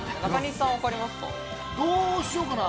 どうしようかな。